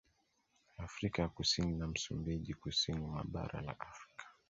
Afrika ya Kusini na Msumbiji Kusini mwa Bara la Afrika